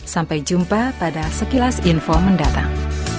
sampai jumpa pada sekilas info mendatang